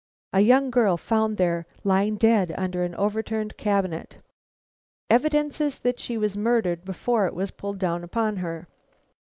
A YOUNG GIRL FOUND THERE, LYING DEAD UNDER AN OVERTURNED CABINET. EVIDENCES THAT SHE WAS MURDERED BEFORE IT WAS PULLED DOWN UPON HER.